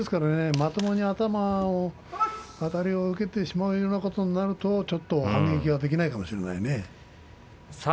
まともにあたりを受けてしまうようなことがあると反撃はできないかもしれませんね。